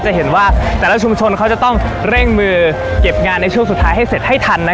จะเห็นว่าแต่ละชุมชนเขาจะต้องเร่งมือเก็บงานในช่วงสุดท้ายให้เสร็จให้ทัน